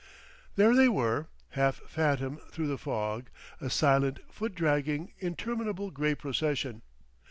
There they were, half phantom through the fog, a silent, foot dragging, interminable, grey procession.